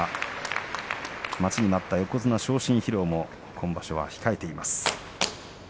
待ちに待った横綱昇進披露も今場所後に控えています。